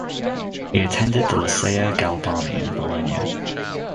He attended the Liceo Galvani in Bologna.